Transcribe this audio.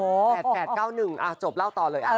โอ้โหแผดแค้ว๑จบเล่าต่อเลย